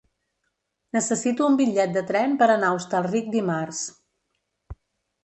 Necessito un bitllet de tren per anar a Hostalric dimarts.